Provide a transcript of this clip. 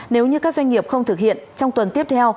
nếu như các doanh nghiệp không thực hiện trong tuần tiếp theo